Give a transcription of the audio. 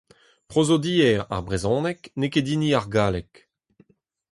Prozodiezh ar brezhoneg n'eo ket hini ar galleg.